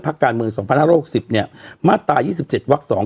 พระการเมืองสองพันห้าร้อหกสิบเนี้ยมาตายี่สิบเจ็ดวัคดิ์สอง